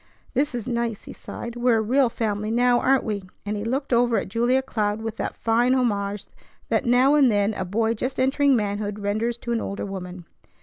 "This is nice!" he sighed. "We're a real family now, aren't we?" and he looked over at Julia Cloud with that fine homage that now and then a boy just entering manhood renders to an older woman.